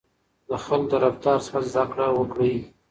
د خلکو له رفتار څخه زده کړه وکړئ.